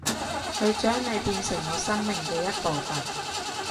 去將你變成我生命嘅一部份